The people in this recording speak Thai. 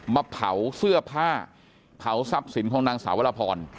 มาเผาเสื้อผ้าเผาทรัพย์สินของนางสาววรพร